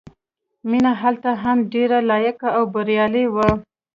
مینه هلته هم ډېره لایقه او بریالۍ وه